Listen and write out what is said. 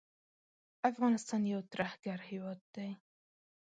افغانستان یو ترهګر هیواد دی